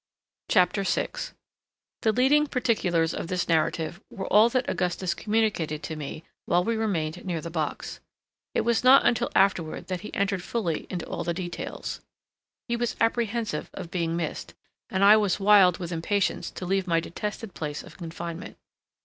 CHAPTER 6 The leading particulars of this narration were all that Augustus communicated to me while we remained near the box. It was not until afterward that he entered fully into all the details. He was apprehensive of being missed, and I was wild with impatience to leave my detested place of confinement.